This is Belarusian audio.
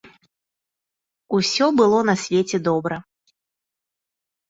Усё было на свеце добра.